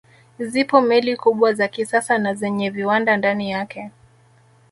Zipo meli kubwa za kisasa na zenye viwanda ndani yake